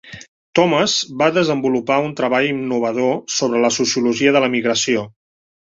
Thomas va desenvolupar un treball innovador sobre la sociologia de la migració.